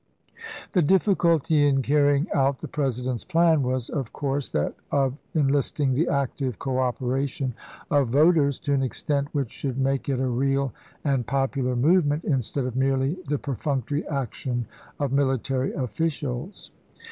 The difficulty in carrying out the President's plan was of course that of enlisting the active co operation of voters to an extent which should make it a real and popular movement instead of merely the perfunctory action of military officials.